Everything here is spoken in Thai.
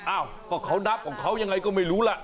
อ้าวก็เขานับของเขายังไงก็ไม่รู้ล่ะ